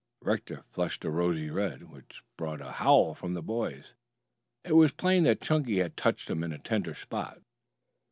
Rector flushed a rosy red, which brought a howl from the boys. It was plain that Chunky had touched him in a tender spot.